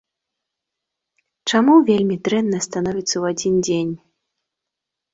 Чаму вельмі дрэнна становіцца ў адзін дзень?